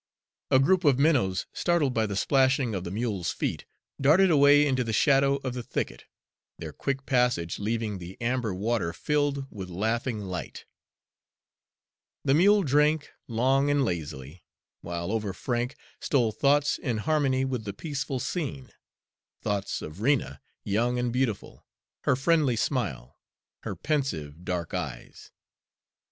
A group of minnows; startled by the splashing of the mule's feet, darted away into the shadow of the thicket, their quick passage leaving the amber water filled with laughing light. The mule drank long and lazily, while over Frank stole thoughts in harmony with the peaceful scene, thoughts of Rena, young and beautiful, her friendly smile, her pensive dark eyes.